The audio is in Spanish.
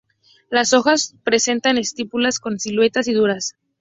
Las hojas presentan estípulas, son suculentas y duras.